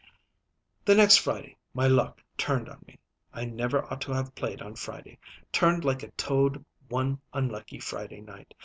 "The next Friday my luck turned on me I never ought to have played on Friday turned like a toad one unlucky Friday night.